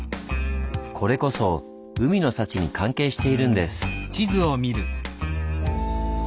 これこそ海の幸に関係しているんです。